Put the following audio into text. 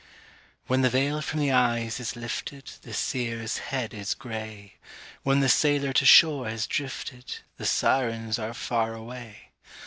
WHEN the veil from the eyes is liftedThe seer's head is gray; When the sailor to shore has driftedThe sirens are far away.